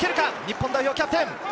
日本代表キャプテン！